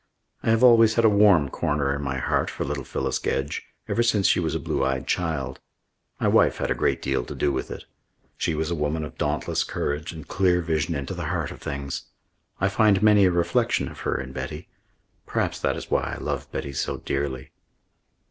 I have always had a warm corner in my heart for little Phyllis Gedge, ever since she was a blue eyed child. My wife had a great deal to do with it. She was a woman of dauntless courage and clear vision into the heart of things. I find many a reflection of her in Betty. Perhaps that is why I love Betty so dearly.